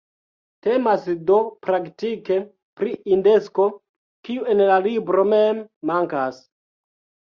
Temas do praktike pri indekso, kiu en la libro mem mankas.